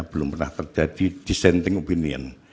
belum pernah terjadi dissenting opinion